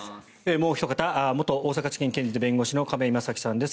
もうおひと方元大阪地検検事で弁護士の亀井正貴さんです。